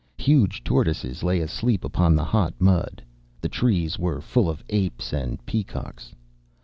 Huge tortoises lay asleep upon the hot mud. The trees were full of apes and peacocks.